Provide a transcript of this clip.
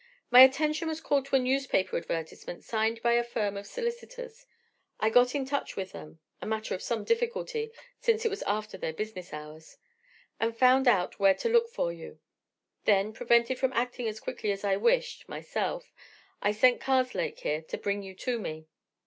"My attention was called to a newspaper advertisement signed by a firm of solicitors. I got in touch with them—a matter of some difficulty, since it was after business hours—and found out where to look for you. Then, prevented from acting as quickly as I wished, myself, I sent Karslake here to bring you to me."